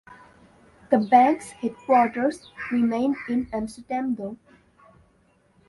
The Bank's headquarters remained in Amsterdam though.